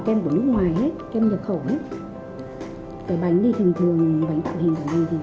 kem của nước ngoài hết kem nhập khẩu hết cái bánh thì thường thường bánh tạo hình của mình thì thường